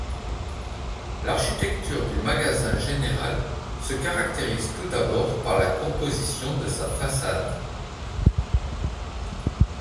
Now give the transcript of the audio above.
L'architecture du magasin général se caractérise tout d'abord par la composition de sa façade.